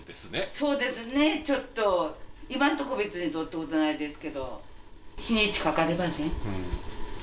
そうですね、ちょっと、今のところ別にどうってことないですけど、日にちかかればね。